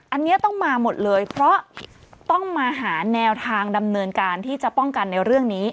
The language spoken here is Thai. อันนี้ต้องมาหมดเลยเพราะต้องมาหาแนวทางดำเนินการที่จะป้องกันในเรื่องนี้